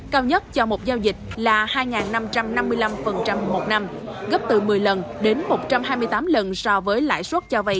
cao nhất cho một giao dịch là hai năm trăm năm mươi năm một năm gấp từ một mươi lần đến một trăm hai mươi tám lần so với lãi suất cho vay